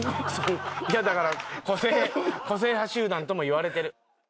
いやだから個性派集団とも言われてる。